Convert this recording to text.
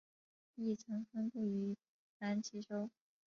亦曾分布于南极洲。